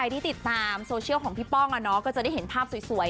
ที่ติดตามโซเชียลของพี่ป้องก็จะได้เห็นภาพสวย